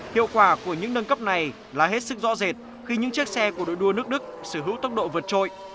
hiệu quả của những nâng cấp này là hết sức rõ rệt khi những chiếc xe của đội đua nước đức sở hữu tốc độ vượt trội